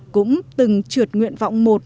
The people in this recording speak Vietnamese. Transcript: cũng từng trượt nguyện vọng một